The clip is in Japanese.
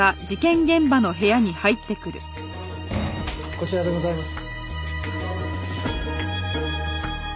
こちらでございます。